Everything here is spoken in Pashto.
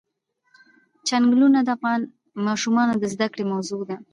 چنګلونه د افغان ماشومانو د زده کړې موضوع ده.